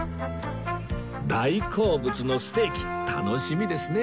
大好物のステーキ楽しみですね